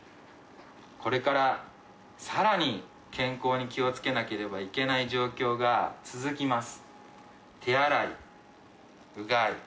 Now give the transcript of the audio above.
これから、さらに健康に気をつけなければいけない状況が続きます。